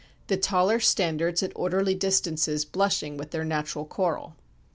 The taller Standards at orderly distances blushing with their natural Coral."